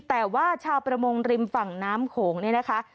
แต่ว่าชาวประมงริมฝั่งน้ำโขงเนี่ยนะคะ